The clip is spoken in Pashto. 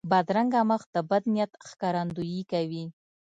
بدرنګه مخ د بد نیت ښکارندویي کوي